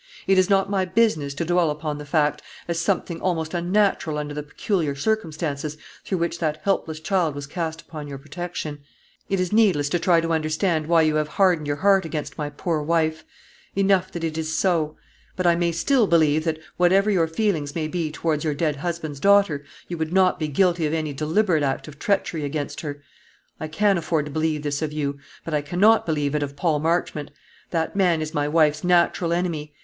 It is not my business to dwell upon the fact, as something almost unnatural under the peculiar circumstances through which that helpless child was cast upon your protection. It is needless to try to understand why you have hardened your heart against my poor wife. Enough that it is so. But I may still believe that, whatever your feelings may be towards your dead husband's daughter, you would not be guilty of any deliberate act of treachery against her. I can afford to believe this of you; but I cannot believe it of Paul Marchmont. That man is my wife's natural enemy.